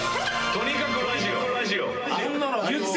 とにかくラジオって。